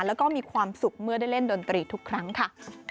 แล้วก็มีความสุขเมื่อได้เล่นดนตรีทุกครั้งค่ะ